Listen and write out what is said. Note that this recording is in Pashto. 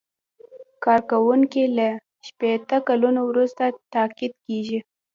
کارکوونکی له شپیته کلونو وروسته تقاعد کیږي.